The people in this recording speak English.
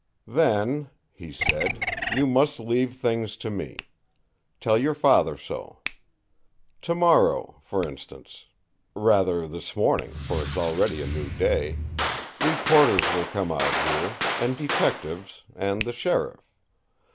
"Then," he said, "you must leave things to me. Tell your father so. Tomorrow, for instance rather this morning, for it's already a new day reporters will come out here, and detectives, and the sheriff.